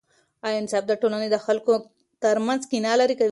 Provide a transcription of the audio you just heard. آیا انصاف د ټولنې د خلکو ترمنځ کینه لیرې کوي؟